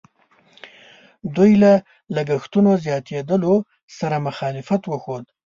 دوی له لګښتونو زیاتېدلو سره مخالفت وښود.